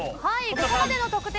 ここまでの得点